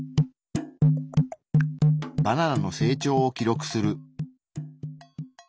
バナナの成長を記録する。